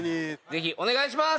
ぜひお願いします！